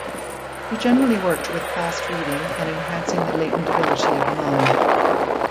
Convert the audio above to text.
He generally worked with fast-reading and enhancing the latent ability of the mind.